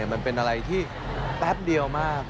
มันเป็นอะไรที่แป๊บเดียวมาก